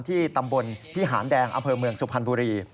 ที่ตำบลพิหารแดงอำเภอเมืองสุพรรณบุรี